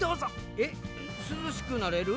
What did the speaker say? えっすずしくなれる？